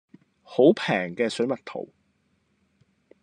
好平嘅水蜜桃